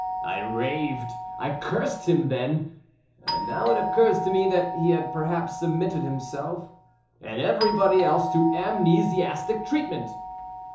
I raved and cursed him then now it occurs to me that he had perhaps submitted himself (and everybody else) to amnesiastic treatment.